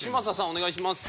お願いします。